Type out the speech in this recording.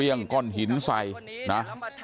เวียงก้อนหินใสนะ